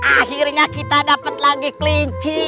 akhirnya kita dapat lagi kelinci